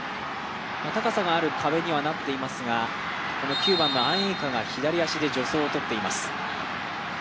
高さもある壁にはなっていますがこの９番のアン・エイカが左足で助走をとっています。